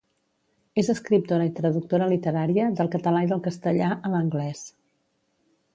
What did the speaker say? És escriptora i traductora literària del català i del castellà a l’anglès.